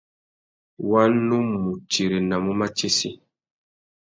Wa nu mù tirenamú matsessi.